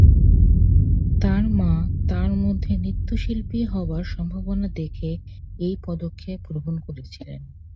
তাঁর মা তাঁর মধ্যে নৃত্যশিল্পী হবার সম্ভাবনা দেখে এই পদক্ষেপ গ্রহণ করেছিলেন।